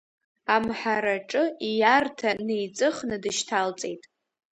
Амҳараҿы ииарҭа неиҵыхны дышьҭалҵеит.